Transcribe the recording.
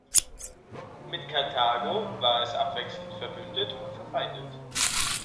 Mit Karthago war es abwechselnd verbündet und verfeindet.